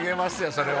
それは。